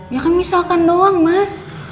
ya kan misalkan doang mas